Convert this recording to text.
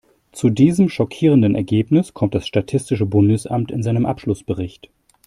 Zu diesem schockierenden Ergebnis kommt das statistische Bundesamt in seinem Abschlussbericht.